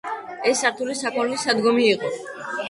ეს სართული საქონლის სადგომი იყო.